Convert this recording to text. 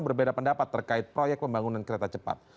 berbeda pendapat terkait proyek pembangunan kereta cepat